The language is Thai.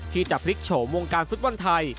ที่จะพลิกโฉมวงการฟุตบอลไทย